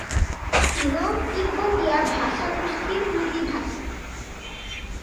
সিনো-তিব্বতীয় ভাষাগোষ্ঠীর দুটি ভাষা।